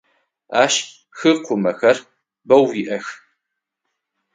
Ащ хыкъумэхэр бэу иӏэх.